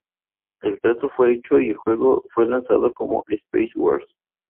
El trato fue hecho y el juego fue lanzado como "Space Wars".